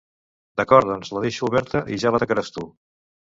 D'acord, doncs la deixo oberta i ja la tancaràs tu.